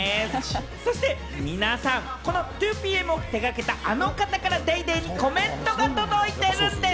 そして皆さん、この２ＰＭを手がけた、あの方から『ＤａｙＤａｙ．』にコメントが届いてるんです。